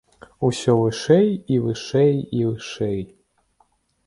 Усё вышэй, і вышэй, і вышэй!!